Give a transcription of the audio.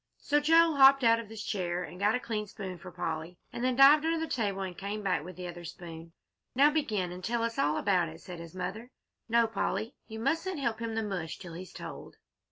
So Joel hopped out of his chair and got a clean spoon for Polly, and then dived under the table and came back with the other spoon. "Now begin and tell us all about it," said his mother. "No, Polly, you needn't help him the mush till he's told."